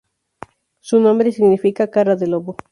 Su nombre significa ""cara de lobo"".